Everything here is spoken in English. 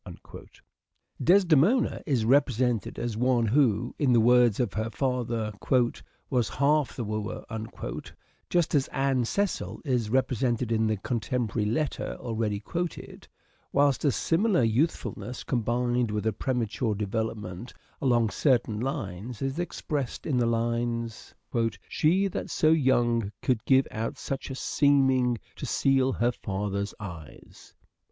Desdemona is represented as one who, in the words of her father, " was half the wooer," just as Anne Cecil is represented in the contemporary letter already quoted ; whilst a similar youthfulness combined with a premature development along certain lines is expressed in the lines :" She that so young could give out such a seeming, To seal her father's eyes."